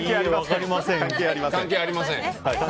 関係ありません。